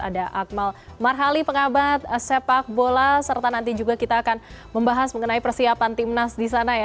ada akmal marhali pengabat sepak bola serta nanti juga kita akan membahas mengenai persiapan timnas di sana ya